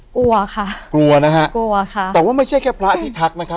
กลัวค่ะกลัวนะฮะกลัวค่ะแต่ว่าไม่ใช่แค่พระที่ทักนะครับ